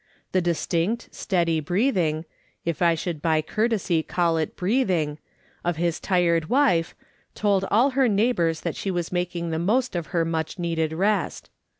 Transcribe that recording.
The distinct, steady breathing — if I should by courtesy call it breathing — of his tired wife, told all her neighbours that she was making the most of her much needed rest.